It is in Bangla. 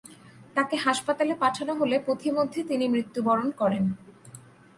তাকে হাসপাতালে পাঠানো হলে পথিমধ্যে তিনি মৃত্যুবরণ করেন।